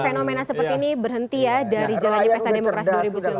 agar fenomena seperti ini berhenti ya dari jalan dipesta demokrasi dua ribu enam belas